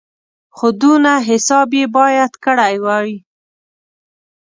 خو دونه حساب یې باید کړی وای.